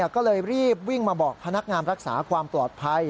ก็เลยรีบวิ่งมาบอกพนักงานรักษาความปลอดภัย